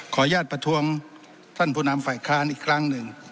อนุญาตประท้วงท่านผู้นำฝ่ายค้านอีกครั้งหนึ่ง